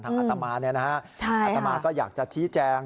ทางอัตมาเนี่ยนะฮะอัตมาก็อยากจะชี้แจง